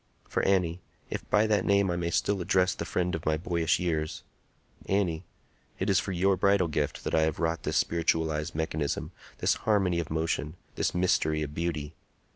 For, Annie,—if by that name I may still address the friend of my boyish years,—Annie, it is for your bridal gift that I have wrought this spiritualized mechanism, this harmony of motion, this mystery of beauty.